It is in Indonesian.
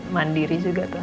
mandiri juga tuh